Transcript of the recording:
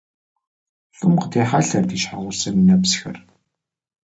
Лӏым къытехьэлъэрт и щхьэгъусэм и нэпсхэр.